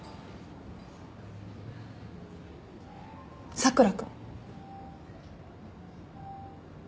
佐倉君。